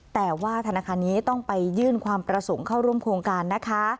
แต่ว่าธนาคารนี้ต้องไปยื่นความประสงค์เข้าร่วมโครงการนะคะ